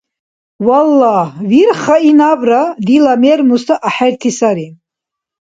Валлагь, вирхаи, набра дила мер-муса ахӀерти сари.